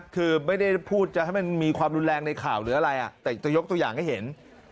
คือไม่ได้พูดจะให้มันมีความรุนแรงในข่าวหรืออะไรแต่จะยกตัวอย่างให้เห็น